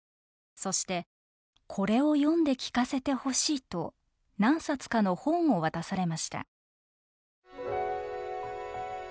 そして「これを読んで聞かせてほしい」と何冊かの本を渡されました。